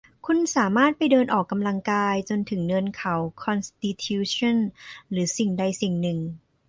คุณสามารถไปเดินออกกำลังกายจนถึงเนินเขาคอนสติทิวชั่นหรือสิ่งใดสิ่งหนึ่ง